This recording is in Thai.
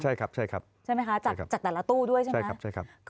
ใช่ไหมคะจากแต่ละตู้ด้วยใช่ไหมครับ